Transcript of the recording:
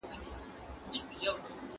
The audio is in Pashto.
¬ خر نه دئ، کچر دئ، په پوري د خره سر دئ.